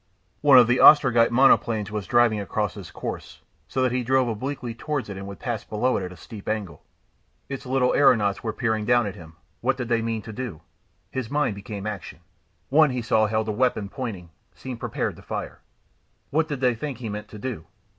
One of the Ostrogite monoplanes was driving across his course, so that he drove obliquely towards it and would pass below it at a steep angle. Its little aeronauts were peering down at him. What did they mean to do? His mind became active. One, he saw held a weapon pointing, seemed prepared to fire. What did they think he meant to do?